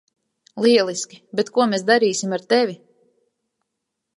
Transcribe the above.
Lieliski, bet ko mēs darīsim ar tevi?